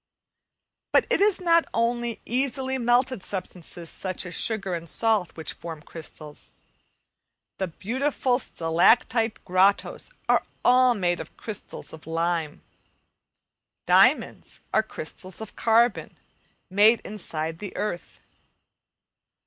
But it is not only easily melted substances such as sugar and salt which form crystals. The beautiful stalactite grottos are all made of crystals of lime. Diamonds are crystals of carbon, made inside the earth.